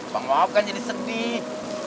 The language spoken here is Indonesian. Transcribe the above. bang wahab kan jadi sedih